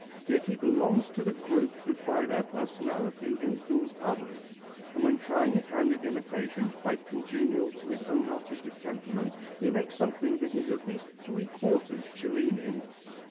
Yet he belonged to the group that by their personality influenced others, and when trying his hand at imitation quite congenial to his own artistic temperament he makes something that is at least three quarters Cellini.